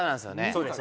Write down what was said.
そうです